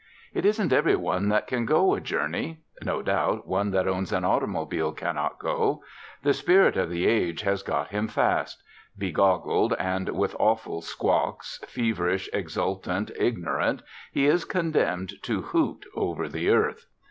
It isn't every one that can go a journey. No doubt one that owns an automobile cannot go. The spirit of the age has got him fast. Begoggled and with awful squawks, feverish, exultant, ignorant, he is condemned to hoot over the earth.